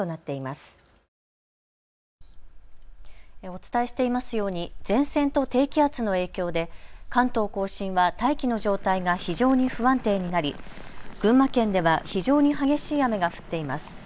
お伝えしていますように前線と低気圧の影響で関東甲信は大気の状態が非常に不安定になり群馬県では非常に激しい雨が降っています。